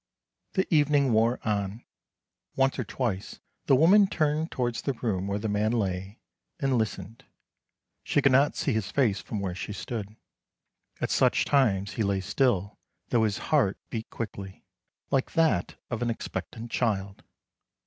The evening wore on. Once or twice the woman turned towards the room where the man lay, and lis tened — she could not see his face from where she stood. At such times he lay still, though his heart beat quickly, like that of an expectant child.